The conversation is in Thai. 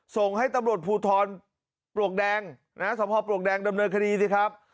ส่งให้ตำรวจภูทรปลวกแดงนะฮะสพปลวกแดงดำเนินคดีสิครับ